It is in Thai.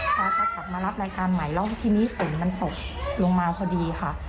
เขาก็กลับมารับรายการใหม่แล้วทีนี้ฝนมันตกลงมาพอดีค่ะ